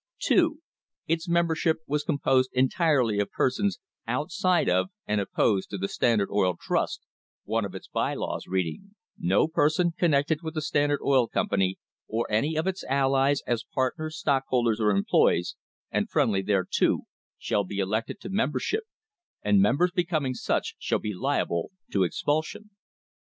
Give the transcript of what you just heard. (2) Its membership was composed entirely of persons out side of and opposed to the Standard Oil Trust, one of its by laws reading: "No person connected with the Standard Oil Company or any of its allies, as partners, stockholders, or employees, and friendly thereto, shall be elected to mem bership ; and members becoming such shall be liable to expulsion."